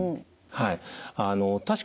はい。